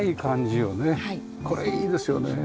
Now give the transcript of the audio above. これいいですよね。